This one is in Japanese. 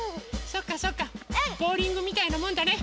そうかそうかボウリングみたいなもんだね。